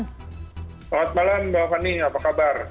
selamat malam mbak fani apa kabar